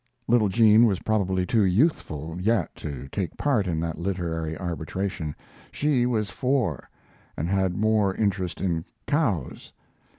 Little Jean was probably too youthful yet to take part in that literary arbitration. She was four, and had more interest in cows.